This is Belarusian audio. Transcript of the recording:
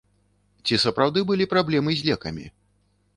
Ці сапраўды былі праблемы з лекамі?